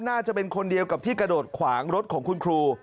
น่าจะเป็นคนเดียวกับที่กระโดดขวางรถของคุณครู